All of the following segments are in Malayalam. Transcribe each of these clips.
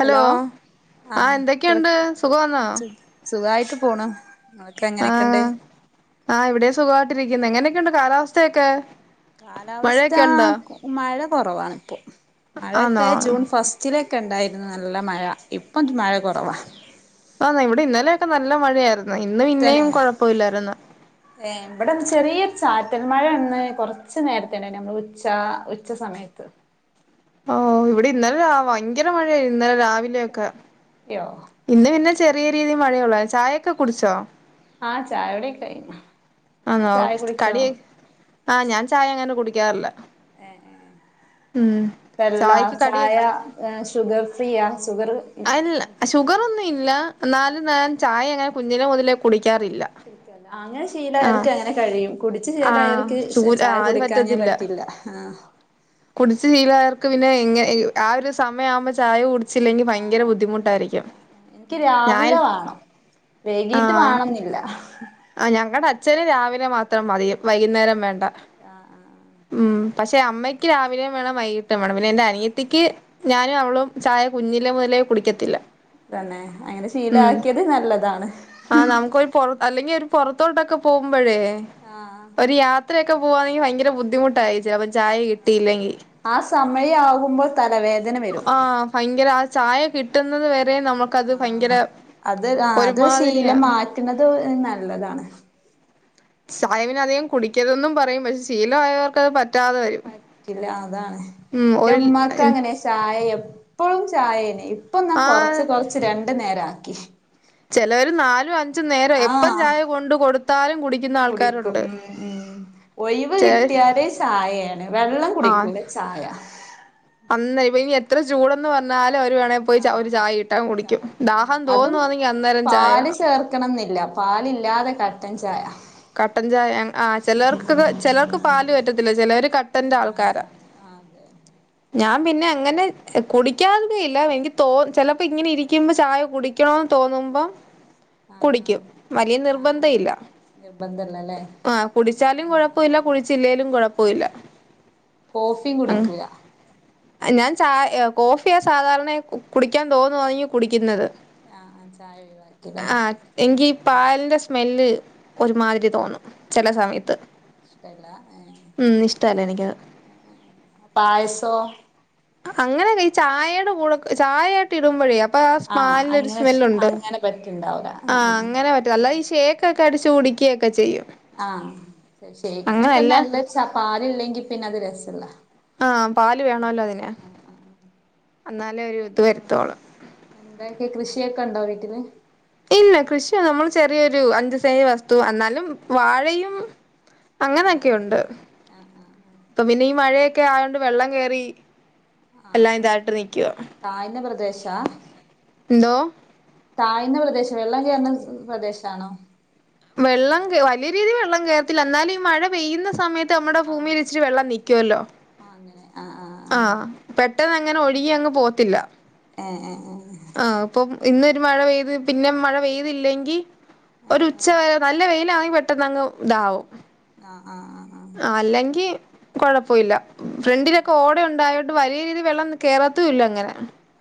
ഹലോ ആ ആഹ് കേൾ എന്തൊക്കെയുണ്ട് സുഖവാന്നോ? സു സുഖായിട്ട് പോണു ഇങ്ങളൊക്കെ എങ്ങനൊക്കെണ്ട്? ആഹ് ആഹ് ഇവിടെയും സുഖായിട്ടിരിക്കുന്നു എങ്ങനൊക്കെയുണ്ട് കാലാവസ്ഥയൊക്കെ? കാലാവസ്ഥ മഴയൊക്കെ ഉണ്ടോ മഴ കൊറവാണ്പ്പോ ആന്നോ മഴയൊക്കെ ജൂൺ ഫസ്റ്റ് റ്റിലൊക്കെ ഇണ്ടായിരുന്നു നല്ല മഴ ഇപ്പം മഴ കൊറവാ ആന്നോ? ഇവിടെ ഇന്നലെയൊക്കെ നല്ല മഴയായിരുന്നു ഇന്നും തന്നെ പിന്നേം കൊഴപ്പവില്ലായിരുന്നു ഏഹ് ഇവടെന്ന് ചെറിയ ഒരു ചാറ്റൽ മഴൊന്ന് കൊറച്ച് നേരത്തെണ്ടായിരുന്നു നമ്മള് ഉച്ച ഉച്ച സമയത്ത് ഓഹ് ഇവിടെയിന്നലെ ഭയങ്കര മഴയായി ഇന്നലെ രാവിലെ യോ ഇന്ന് പിന്നെ ചെറിയ രീതി മഴയൊള്ളൂ ചായയൊക്കെ കുടിച്ചോ? ആഹ് ചായൊടിക്കെ കഴിഞ് ആന്നോ? കടിയോ ആ ഞാൻ ചായ അങ്ങനെ കുടിക്കാറില്ല ഏഹ് ഉം വെള്ള ചായക്ക് ചായ കടിയൊക്കെ ഷുഗർ ഫ്രീയാ ഷുഗറ് ഇല്ല ഷുഗറൊന്നുവില്ല എന്നാലും ഞാൻ ചായ അങ്ങനെ കുഞ്ഞിനെ മുതലേ കുടിക്കാറില്ല ആഹ് അങ്ങനെ ആഹ് ശീലായവർക്ക് അങ്ങനെ കഴിയും കുടിച്ചു ആഹ് ചേലായോർക്ക് ചൂല ചായ അത് കുടിക്കാഞ പറ്റത്തില്ല പറ്റില്ല ആ കുടിച്ച് ശീലായവർക്ക് പിന്നെ എങ്ങ ആ ഒരു സമയാവുമ്പോ ചായ കുടി ച്ചില്ലെങ്കി ആഹ് ഭയങ്കര ആഹ് ബുദ്ധിമുട്ടായിരിക്കും ആഹ് എനിക്ക് ഞാൻ രാവിലെ വേണം വൈകീട്ട് വാണന്നില്ല ആ ഞങ്ങടെ അച്ഛന് രാവിലെ മാത്രം മതി വൈകുന്നേരം വേണ്ട ആഹ് ആഹ് ആഹ് ഉം പക്ഷെ അമ്മയ്ക്ക് രാവിലെയും വേണം വൈകിട്ടും വേണം പിന്നെ എൻ്റെ അനിയത്തിക്ക് ഞാനും അവളും ചായ കുഞ്ഞിലെ മുതലേ കുടിക്കത്തില്ല തന്നെ അങ്ങനെ ശീലാക്കിയത് നല്ലതാണ് ആ് നമുക്കൊരു പൊറത്ത് അല്ലെങ്കിയൊരു പൊറത്തോട്ടൊക്കെ പോകുമ്പഴേ ആഹ് ഒരു യാത്രയൊക്കെ പോവാണെങ്കി ഭയങ്കര ബുദ്ധിമുട്ടാ യേച്ചി അപ്പം ചായ കിട്ടയില്ലെങ്കി ആ സമയാകുമ്പോ തലവേദന വരും ആഹ് ഭയങ്കര ആ ചായ കിട്ടുന്നത് വരെ നമുക്കത് ഭയങ്കര ആഹ് ഒരുമാതിരിയ കിട്ടുന്നത് നല്ലതാണ് ചായ പിന്നെ അധികം കുടിക്കരുതെന്നും പറയും പക്ഷെ ശീലമായവർക്കത് പറ്റ റ്റില്ല ആ അതാണ് ഉം ഒരു ഇന്റെമ്മാക്കങ്ങനെ ചായ എപ്പഴും ചായേനി ഇപ്പെന്നാ ആഹ് കൊറച്ച് കൊറച്ച് രണ്ടു നേരാക്കി ചെലവര് നാലും അ ഞ്ചും നേരം എപ്പം ആഹ് ചായ കൊണ്ട് കൊടുത്താലും കുടിക്കും കുടിക്കുന്നാൾക്കാരുണ്ട് ഉം ഉം ഒഴിവ് കിട്ടിയാല് ചായെയാണ് വെള്ളം കുടിക്കൂലാ ചായ നന്നായി പോയി ഇനിയെത്ര ചൂടെന്ന് പറഞ്ഞാലും അവര് വേണേ പോയി ഒര് ആഹ് ചായയിട്ടങ്ങ് ചായ കുടിക്കും പറ്റും ഉം ദാഹം അതും തോന്നുവാന്നെങ്കി അന്നേരം ചായ പാല് വേണം ചേർക്കണംന്നില്ല പാലില്ലാതെ കട്ടൻ ചായ കട്ടൻ ചായ ആ ചിലർക്കൊക്കെ ചിലർക്ക് പാല് പറ്റത്തില്ല ചിലർ കട്ടന്റെ ആഹ് ആൾക്കാരാ ചായ ആഹ് അതെ [inaudible] ഞാൻ പിന്നെ അങ്ങനെ കുടിക്കാതട ഇല്ല എനിക്ക് തോ ചിലപ്പോ ഇങ്ങനെ ഇരിക്കുമ്പോ ചായ കുടി ക്കണെ തോന്നുമ്പം കുടിക്കും വലിയ നിർബന്ധ ഇല്ല നിർബന്ധല്ല ആ കുടിച്ചാലും കൊഴപ്പമില്ല കുടിച്ചില്ലേലും കുഴപ്പമില്ല കോഫിയും കുടിക്കുല്ല അഹ്‌ ഞാൻ ചായ കോഫിയാ സാധാരണയ കുടിക്കാൻ തോന്നുഅണെങ്കില് കുടിക്കുന്നത് ആഹ് ആഹ് ചായ ഒഴിവാക്കില്ലേ ആഹ് എങ്കി പാലിന്റെ സ്മെല് ഒരുമാതിരി തോന്നും ചെല സമയത്ത് ഇഷ്ടല്ല ഏഹ് ഉം ഇഷ്ടല്ല എനിക് പായസോ അങ്ങനെല്ല ഈ ചായയുടെ കൂടെ ചായ ത്ത് ഇടുമ്പോഴേ അപ്പൊ ആ സ് ആഹ് പാലിന് അങ്ങനെ സ്മെൽ ഉണ്ട് അങ്ങനെ പറ്റ്ണ്ടാവൂല ആ ആഹ് ആഹ് അങ്ങനെ പറ്റള്ളൂ അല്ലാതെ ഈ സെ ക്കെക്കെ അടിച്ച് കുടിക്കുകയൊക്കെ ചെയ്യും ആഹ് ഷെക്ക് അങ്ങനെയല്ല നല്ലൊര് ചാ പാല് ഇല്ലെങ്കിൽ പിന്നെ അത് രസല്ല ആഹ് പാല് വേണല്ലോ അതിനെ അന്നാലേ ഒരു എങ്ങനെ ഇത് ആഹ് വരുത്തോളൂ എന്തൊക്കെ കൃഷിയൊക്കെ ഉണ്ടോ വീട്ടീല് ഇല്ല കൃഷിയ നമ്മള് ചെറിയൊരു അഞ്ചു സെന്റ് വസ്തു എന്നാലും വാഴയും അങ്ങനൊക്കെയുണ്ട് അപ്പൊ പിന്നെ ഈ മഴയൊക്കെ ആയോണ്ട് വെള്ളം കേറി എല്ലാം ഇതായിട്ട് നിക്കുവാ താഴ്ന്ന പ്രദേശാ എന്തോ താഴ്ന്ന പ്രദേശം വെള്ളം കേയറുന്ന പ്രദേശാണോ വെള്ളം കേ വലിയ രീതിൽ വെള്ളം കേറത്തില്ല എന്നാലും ഈ മഴ പെയ്യുന്ന സമയ ത്ത് നമ്മുടെ ഭുമില് ഇച്ചിരി വെള്ളം നിക്കുവല്ലോ ആ അങ്ങനെ ആഹ് ആഹ് ആഹ് പെട്ടെന്ന് അങ്ങനെ ഒഴുകി അങ്ങ് പോകത്തില്ല ഹേ ഹേ ഹേ ആ ഇപ്പം ഇന്നൊരു മഴ പെയ്ത് പിന്നെ മഴ പെയ്തില്ലെങ്കിൽ ഒരു ഉച്ചവരെ നല്ല വെയിലാണെ പെട്ടെന്ന് അങ്ങ് ഇതാവും ആഹ് ആഹ് ആഹ് അല്ലെങ്കി കൊഴപ്പില്ല ഫ്രണ്ടിലൊക്കെ ഓടെ ഉണ്ടായോണ്ട് ണ്ട് വലിയ രീതിൽ വെള്ളം കേറത്തും ഇല്ല അങ്ങനെ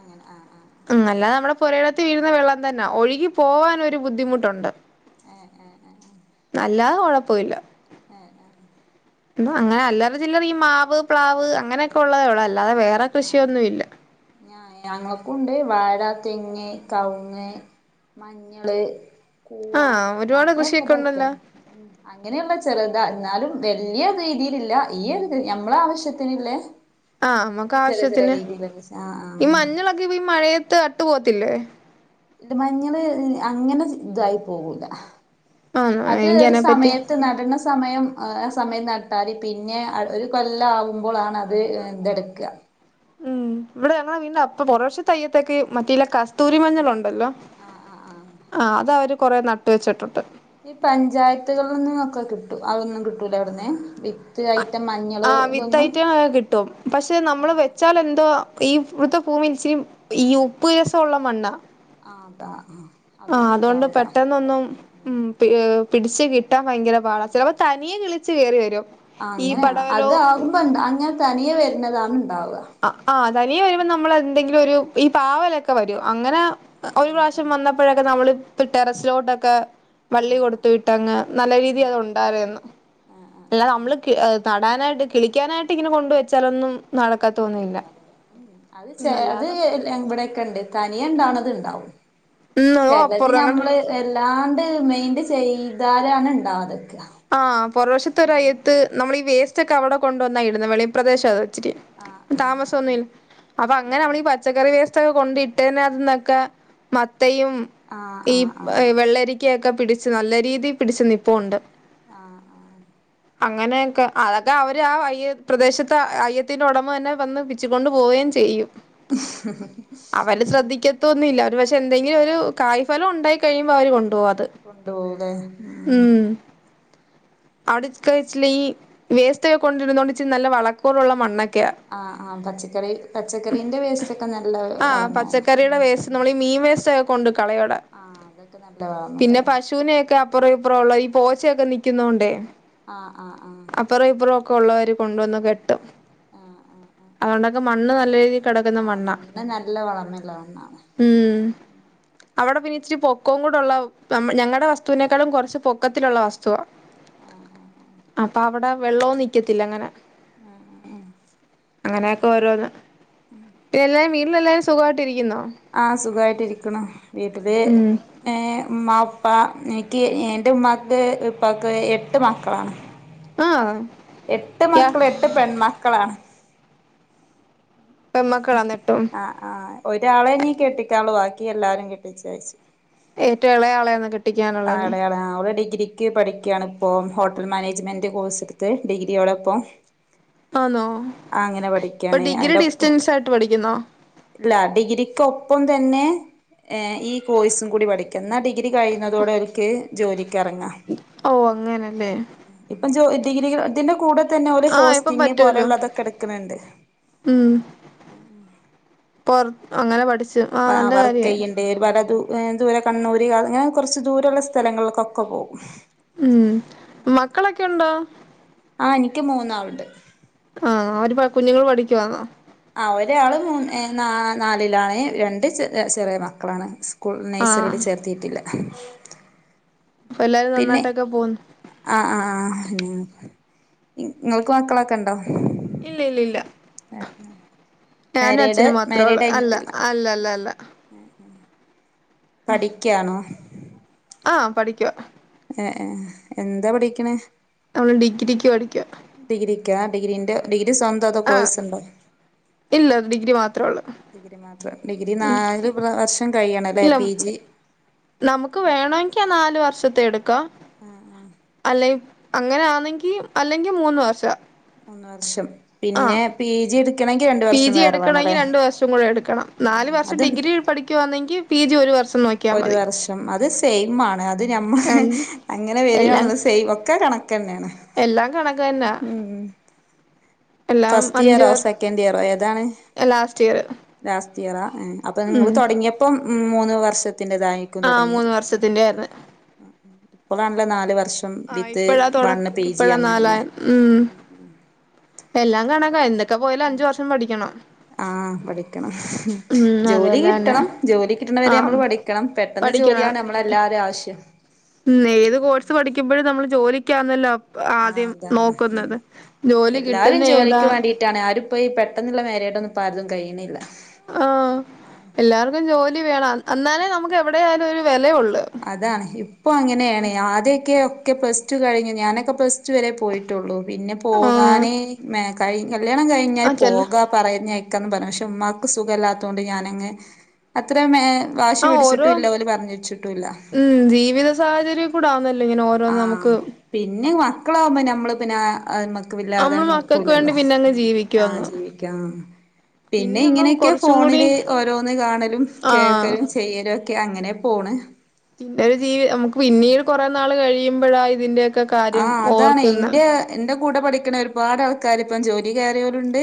ആഹ് ആഹ് ഉ അല്ലാതെ നമ്മുടെ പുരയിടത്തി വീഴുന്ന വെള്ളം തന്നെ ഒഴുകി പോകൻ ഒരു ബുദ്ധിമുട്ടുണ്ട് ആഹ് ആഹ് ആഹ് അല്ലതെ കുഴപ്പല്ല ആഹ് ആഹ് ന്ന അങ്ങനെ അല്ലാറ ചില്ലറ ഈ മാവ് പ്ലാവ് അങ്ങനെയൊക്കെ ഉള്ളതേ ഉള്ളൂ അല്ലാതെ വേറെ കൃഷിയൊന്നുമില്ല ഇല്ല ആ ഞങ്ങൾക്കുണ്ട് വാഴ തെങ്ങ് കവുങ്ങ് മഞ്ഞള് കൂവ ആഹ് ഒരുപാട് കൃഷിയൊക്കെ അങ്ങനെയുള്ളതൊക്കെ ഉണ്ടല്ലോ ഇങ്ങനെയുള്ള ചെറുതാ എന്നാലും വല്യ രീതിയില് ഈല്ല ഈ ഒരു ഞമ്മള ആവശ്യത്തിന് ഉളള ആഹ് നമ്മക്കാവിശ്യത്തിന് ആഹ് ഈ ആഹ് മഞ്ഞളക്കിപ്പോ ഇ മഴയത്ത് അട്ടു പോവത്തില്ലേ ഇത് മഞ്ഞള് അങ്ങനെ ഇതായി പോവൂല ആന്നോ അത് ഒര് എനിക്കതിനെപ്പറ്റി സമയത്ത് നട്ണ സമയം ആ സമയം നട്ടാല് പിന്നെ അതൊരു കൊല്ലാവുമ്പോള്ളാണ് അത് ഇതെടുക്ക ഉം ഇവടെ ഞങ്ങളെ വീട്ൻ്റെ അപ് പൊറ വശത്തയ്യത്തൊക്കെ ഈ മറ്റീല്ല കസ് തൂരിമഞ്ഞളുണ്ടല്ലോ ആഹ് ആഹ് ആഹ് അതവര് കൊറെ നട്ട് വെച്ചിട്ടുണ്ട്. ഈ പഞ്ചായത്തുകളിന്ന് ഒക്കെ കിട്ടും. അതൊന്നും കിട്ടൂല അവട്ന്ന്. വി ആഹ് വിത്തൈറ്റം കിട്ടും. പക്ഷെ നമ്മള് വെച്ചാലെന്തോ ഈ വ്ടത്തെ ഭൂമി ഇച്ചിരി ഈ ഉപ്പ് രസൊള്ള മണ്ണാ. ആഹ് അതാ. ഹാ ആഹ് അതോണ്ട് പെട്ടെന്നൊന്നും ഉം പി പിട്ച്ച് കി ട്ടാൻ ഭയങ്കരപാടാ. ചിലപ്പ തനിയെ കിളിച്ച് കേറിവരും. ആഹ് അങ്ങനെയാണൊ. അതാകുമ്പോ അങ്ങനെ തനിയെ വര്നതാണ് ഇണ്ടാവ. അഹ്ആഹ് തനിയെ വരുമ്പോ നമ്മളെ ന്തെങ്കിലൊരു ഈ പാവലൊക്കെ വരു. അങ്ങന ഒരു ആ പ്രാവശ്യം വന്നപ്പഴൊക്കെ നമ്മളി ത് ടെറസിലോട്ടൊക്കെ ആ ആ വള്ളി ആ കൊടുത്ത് വി ട്ടങ്ങ് നല്ല രീതി അത് ഉണ്ടാവേന്നു. ആ ആ ആ അല്ലാതെമ്മള് ആ കെ എ തടാനായിട്ട് കിളിക്കാനായിട്ട് ഇങ്ങനെ കൊണ്ട് വെച്ചാലൊന്നും നട ഉം ഉണ്ടാവലേ ഊംഉം അത് ചെ അത് അല്ലാതെ ഇവിടെക്കെണ്ട് തനിയെ ണ്ടാണത് ണ്ടാവും. ഉം ചെലത് അപ്പുറം അങ്ങട്ട് ഞമ്മള് എല്ലാണ്ട് മെയിന്റ് ചെയ്താലാണ് ഇണ്ടാവാതെക്ക. ആഹ് പൊറവശത്തൊരയ്യത്ത് നമ്മളീ വേസ്റ്റൊക്കെ അവിടെ കൊണ്ടുവന്നാ ഇടുന്നെ. വെളി പ്രെദേശാ അതിച്ചിരി. ആ ആ ആ താമസം ഒന്നു ഇല്ല. അപ്പൊ അങ്ങനെ നമ്മളീ പ ച്ചക്കറി വേസ്റ്റൊക്കെ കൊണ്ടിട്ടെന്റ ത്ത്ന്നൊക്കെ മത്തയും ആ ആ ഈ ആ വെള്ളരി ക്കെ ഒക്കെ പിട്ച്ച് നല്ല രീതി പിടിച്ച് നിപ്പുണ്ട്. ആഹ് ആഹ് അങ്ങനെയൊക്കെ അതൊക്കെ അവര് ആ അയ്യ പ്രദേശത്ത് അയ്യത്തിന്റെ ഉടമ തന്നെ വന്ന് പി ച്ച് കൊണ്ട് പോവേം ചെയ്യും. അവല് ശ്രദ്ധിക്ക ത്തൊ ഒന്നു ഇല്ല. ഒരുപക്ഷെ എന്തങ്കിലും ഒരു കായ്ഫലം ഉണ്ടായി കയിയുമ്പോ അവര് കൊണ്ടോവത്. കൊണ്ട് പോവുലേ ഉം ഉം. അവ്ട ക ഇച്ളീ വേസ്റ്റൊക്കെ കൊണ്ടിരുന്നോണ്ട് ച്ച് നല്ല വളക്കൂറുള്ള മണ്ണൊ ആഹ് ആഹ് പച്ചക്കറി പച്ചക്കറീന്റെ വേസ്റ്റ് ഒക്കെ നല്ല ആഹ് വളന്നേ. ഉം പച്ചക്കറിയുടെ വേസ്റ്റ് നമ്മളീ മീൻ വേസ്റ്റ്റ്റൊക്കെ കൊണ്ട് കളയോടെ. ആഹ് അതൊക്കെ നല്ല പിന്നെ വളമല്ലതാ പശുവിനെയൊക്കെ പ്പുറ ഇപ്പുറ ഉള്ള ഈ പോച്ചയൊക്കെ നിക്കുന്നോണ്ടേ. ആഹ് ആഹ് ആഹ്. അപ്പുറം ഇപ്പുറം ഒക്കെ ഉള്ളവര് കൊണ്ടു വന്ന് കെട്ടും. ആഹ് ആഹ് അതുകൊണ്ടൊക്കെ ആഹ് മണ്ണ് നല്ല രീതി കെടക്ക്ന്ന ആഹ് മണ്ണാ. മണ്ണ് നല്ല വളമുള്ള മണ്ണാണ് ഉം. അവടെ പിന്നെ ഇച്ചിരി പൊക്കവും കൂടെള്ള നമ്മ ഞങ്ങടെ വസ്തുവിനേക്കാളും കൊർച്ച് പൊക്കത്തിലുള്ള വസ്തുവാ. ആഹ് ആഹ് ആഹ്. അപ്പൊ അവടെ വെള്ളവും നിക്കത്തില്ലങ്ങനെ. ആഹ് ആഹ് ആഹ്. അങ്ങനെയൊക്കെ ഓരോന്ന്, പിന്നെല്ലാരും വീട്ടിലെല്ലാരും സുഖായിട്ടിരിക്കുന്നോ? ആഹ് സുഖായിട്ട് ഇരിക്കുണു. വീട്ടില് ഉം ഏഹ് ഉമ്മാ ഉപ്പ എനിക്ക് എന്റെ ഉമ്മാക്ക് ഉപ്പാക്ക് എട്ട് മക്കളാണ്. ആഹ് എട്ട് യാ മക്കളും എട്ട് പെൺമക്കളാണ്. പെൺമക്കളാന്ന് എട്ടും. ആഹ് ആഹ് ഒരാളെ ഇനി കെട്ടിക്കാൻളു ബാക്കി എല്ലാരും കെട്ടിച്ചയച്ചു. ഏറ്റവും ഇളയ ആളെയാന്ന് കെട്ടിക്കാനുള്ളേന് ആടെയാടെ ആഹ് ഓള് ഡിഗ്രി ക്ക് പഠിക്ക്യാണിപ്പോ ഹോട്ടൽ മാനേജ്മെന്റ് കോഴ്സ്ട്ത്ത് ഡിഗ്രിയോടെപ്പം. ആന്നോ ആങ്ങനെ ഇപ്പൊ പഠിക്കാണ് ഡിഗ്രി അയിന്റെ ഒപ്പം ഡിസ്റ്റൻസ് ആയിട്ട് പഠിക്കുന്നോ ഇല്ല ഡിഗ്രിക്കൊപ്പം തന്നെ ഏഹ് ഈ കോഴ്സും കൂടി പഠിക്കാ എന്നാൽ ഡിഗ്രി കഴിയുന്നതോടെ അവർക്ക് ജോലിക്കിറങ്ങാം ഓഹ് അങ്ങനെല്ലേ ഇപ്പം ജോ ഡിഗ്രിക ഇതിന്റെ കൂടെ ത്തന്നെ ആഹ് ഇപ്പൊ ഹോസ്റ്റിങ് പറ്റുവല്ലോ പോലെള്ളതൊക്കെ എടുക്ക്ണണ്ട് ഉം പൊറ അങ്ങനെ പഠിച്ചു ആഹ് നല്ല കാര്യായി വർക്ക്യ്യണ്ട് ഒരുപലതു ഏഹ് ദൂരെ കണ്ണൂര് അങ്ങനെ കുറച്ച് ദൂരള്ള സ്ഥലങ്ങൾക്കൊക്കെ പോകും ഉം മക്കളൊക്കെ ഉണ്ടോ? ആഹ് എനിക്ക് മൂന്നാള്ണ്ട് ആഹ് അവര് പ കുഞ്ഞുങ്ങൾ പഠിക്കവാന്നോ ആഹ് ഒരാള് മൂന്ന് ഏഹ് നാ നാലിലാണ് രണ്ട് ചെർ ചെറിയ മക്കളാണ് ക്കും ആഹ് നൈസറില് ചേർത്തീട്ടില്ല പ്പ എല്ലാരും നന്നായിട്ടൊക്കെ പോകുന്നു ആഹ് ആഹ് ആഹ് പിന്നെ നിങ്ങൾക്ക് മക്കളൊക്കെ ഉണ്ടോ ഇല്ല ഇല്ല ഇല്ല ഞാനും മാരീഡ് അച്ഛനും മാത്രേള്ളൂ അല്ല അല്ല അല്ല അല്ല ഉം ഉം പഠിക്കാണോ ആഹ് പഠിക്കുവ ഏ ഏഹ് എന്താ പഠിക്ക്ണെ അവ് ഡിഗ്രിക്ക് പഠിക്ക ഡിഗ്രിക്കാ ഡിഗ്രീന്റെ ഡിഗ്രി സ്വന്ത അതോ ആഹ് കോഴ്സുണ്ടോ ഇല്ല ഡിഗ്രി മാത്രേ ഒള്ളൂ ഡിഗ്രി മാത്രം ഡിഗ്രി നാല് പ്രാ വർഷം കഴിയണംല്ലേ ഇല്ല പി ജി നമുക്ക് വേണേങ്കിൽ നാല് വർഷത്തെ എടുക്കാം ആഹ് ആഹ് അല്ലെയ് അങ്ങനൊന്നെങ്കി അല്ലെങ്കിൽ മൂന്ന് വർഷ മൂന്ന് വർഷം ആഹ് പിന്നെ പി ജി എടുക്കണമെങ്കിൽ രണ്ട് പി വർഷം ജി വേറെ വേണം എടുക്കണെങ്കിൽ അല്ലേ രണ്ട് വർഷം കൂടെ എടുക്കണം ആ നാല് വർഷം അത് ഡിഗ്രി പഠിക്കുകവാന്നെങ്കിൽ പി ജി ഒരു വർഷ് ഒരു വർഷം അത് സെയിം ആണ് അത് ഞമ്മ രണ്ട് അങ്ങനെ എല്ലാം വരാന്ന്ള്ളത് സൈ ഒക്കെ കണക്കെന്നെണ് എല്ലാം കണക്ക് തന്നാ എല്ലാം ഫസ്റ്റ് അഞ്ച് ഇയറോ വർ സെക്കൻഡ് ഇയറോ ഏതാണ്? ലാസ്റ്റ് ഇയറ് ലാസ്റ്റ് ഇയറാ ഏഹ് അപ്പൊ നിങ്ങൾ തുടങ്ങിയ ഇപ്പം മൂന്ന് വർഷത്തിന്റെതായിക്കും ആഹ് തുടങ്ങിയത് മൂന്ന് വർഷത്തിന്റെ ആയിരുന്നു ആഹ് ഇപ്പാവണല്ല നാല് വർഷം വിത്ത് വണ്ണ് പി ജി അറഞ്ന്നെ ഊം എല്ലാം കണക്കാ എന്തൊക്കെ പോയാലും അഞ്ചു വർഷം പഠിക്കണം ആഹ് പഠിക്കണം ഉം ജോലി അതുപോലെ തന്നെ കിട്ടണം ജോലി കിട്ടണവരെ നമ്മൾ ആഹ് പഠി ക്കണം പെട്ടെന്ന് പഠിക്കണം ജോലിയാണ് നമ്മളെ എല്ലാരേം ആവശ്യം ഉം ഏത് കോഴ്സ് പഠിക്കുമ്പോഴും നമ്മള് ജോലിക്കാന്നല്ലോ പ്പം ആഹ് ആദ്യം അതാണ് ഉം നോക്കുന്നത് ജോലി കിട്ടുന്ന ഏതാ ആണ് ആരിപ്പ ഈ പെട്ടെന്നുള്ള മേരേടൊന്നും ഇപ്പോ ആര്തും കഴിയുന്നില്ല ആഹ് എല്ലാർക്കും ജോലി വേണം എന്നാലേ നമുക്ക് എവിടെ ആയാലും ഒരു വിലയള്ളൂ അതാണ് ഇപ്പൊ അങ്ങനെണ് ആദ്യയൊക്കെ ഒക്കെ കെ പ്ലസ് ഞാനൊക്കെ പ്ലസ്റ്റു വരെ പോയിട്ടുള്ളൂ പിന്നെ ആഹ് പോകാന് മെ കഴി കല്യാണം കഴി ഞാന് ആഹ് ചെല്ല പോകാ പറഞയക്കന്ന് പറഞ്ഞു പക്ഷെ ഉമ്മാക്ക് സുഖമല്ലാത് കൊണ്ട് ഞാനങ് അത്ര മെ വാശി ആഹ് ഓരോ പിടിച്ചിട്ടും ഇല്ല ഓല് പറഞ്ഞച്ചിട്ടൂല ഉം ജീവിത സാഹചര്യം കൂട ആവുന്ന ആഹ് പിന്നെ മക്കളാവുമ്പോ നമ്മള് പിന്നെ അ ഇല്ലാതെ നമ്മള് മക്കൾക്ക് വേണ്ടി നോക്കൂലല്ലോ പിന്നെ അങ്ങ് ജീവിക്കും ആഹ് അങ്ങ് ജീവിക്കാം പിന്നെ നമ്മള് ഇങ്ങനെയൊക്കെ കുറച്ചും കൂടി ഫോണില് ഓരോന്ന് കാണലും ആഹ് കേൾക്കലും ചെയ്യലൊക്കെ അങ്ങനെ പോണ് പിന്ന ഒരു ജീവി നമുക്ക് പിന്നീട് കൂറെനാൾ കഴിയുമ്പോഴാ ഇതിന്റെ ഒക്കെ കാര്യം ആഹ് അതാണ് ഓർക്കുന്നെ ഇന്റെ എന്റെ കൂടെ പഠിക്കണ ഒരുപാട് ആൾക്കാാര് ഇപ്പം ജോലി കയറിയോലുണ്ട്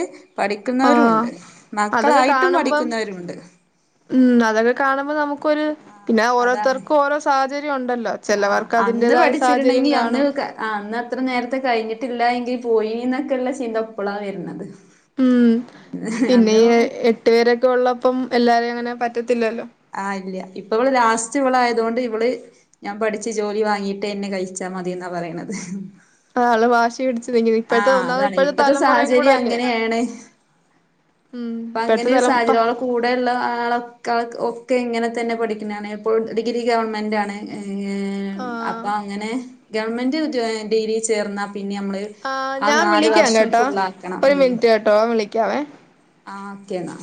ആഹ് പഠിക്കുന്നവരുണ്ട് അതൊക്കെ മക്കളായിട്ടും കാണുമ്പം പഠിക്കുന്നവരുണ്ട് ഉം അതൊക്കെ കാണുമ്പോൾ നമു ഒരു പിന്നെ അതാണ് ഓരോത്തർക്കും ഓരോ സാഹചര്യം ഉണ്ടല്ലോ ആഹ് ചേലവർക്ക് അതിന്റെ സാഹചര്യം കാണും ആ അന്ന് അത്ര നേരത്തെ കഴിഞ്ഞിട്ടില്ല എങ്കി പോയിന്നൊക്കെള്ള ചിന്ത ഇപ്പളാ വരുന്നെ ഉം പിന്നെ ഈ എട്ട് വെരൊക്കെ ഉള്ളപ്പം എല്ലാവരെയും അങ്ങനെ പറ്റത്തില്ലല്ലോ ആ ഇല്ല ഇപ്പ ഇവള് ലാസ്റ്റ് ഇവള ആയതൊണ്ട് ഇവള് ഞാൻ പഠിച്ചു ജോലി വാങ്ങിയിട്ട് എന്നെ കഴിച്ചാ മതി എന്നാ പറയണത് ആള് വാശി പിടിച്ചു നിങ്ങ ഇപ്പോഴത്തെ ആഹ് ഒന്നാമത് അതാണ് ഇപ്പോഴത്തെ ഇപ്പത്തെ തലമുറയും കൂടെ സാഹചര്യം അല്ലേ അങ്ങനെയാണ് ഉം അപ്പൊ പെട്ട അങ്ങനെ ഒരു തല പ സാഹചര്യം ഓളെ കൂടെയുള്ള ആളൊക്കെ ഒക്കെ ഇങ്ങനെ തന്നെ പഠിക്കുന്നതാണ് ഇപ്പോൾ ഡിഗ്രി ഗവൺമെൻറ്റാണ് ഏ ആഹ് അപ്പൊ അങ്ങനെ ഗവൺമെന്റ് ഡിഗ്രി ചേർന്നാ പിന്നെ നമ്മള് ആഹ് ആ ഞാൻ നാല് വിളിക്കാം വർഷം കേട്ടോ ഫുള്ളാക്കണം ഒരു ഉം മിനിറ്റ് കേട്ടോ വിളിക്കാവേ ആ ഓക്കെന്ന